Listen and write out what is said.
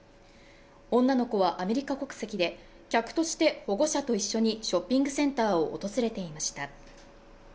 女の子はアメリカ国籍で客として保護者と一緒にショッピングセンターを訪れていました。